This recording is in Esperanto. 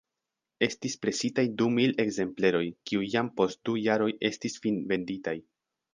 Estis presitaj dumil ekzempleroj, kiuj jam post du jaroj estis finvenditaj.